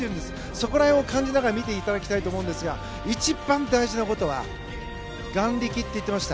そこら辺を感じながら見ていただきたいと思うんですが一番大事なことは眼力って言ってました。